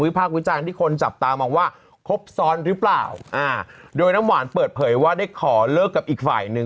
ภาควิจารณ์ที่คนจับตามองว่าครบซ้อนหรือเปล่าอ่าโดยน้ำหวานเปิดเผยว่าได้ขอเลิกกับอีกฝ่ายหนึ่ง